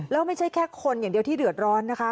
แล้วไม่ใช่แค่คนอย่างเดียวที่เดือดร้อนนะคะ